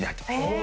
え！